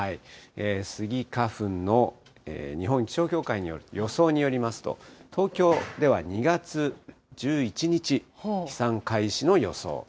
スギ花粉の日本気象協会による予想によりますと、東京では２月１１日、飛散開始の予想。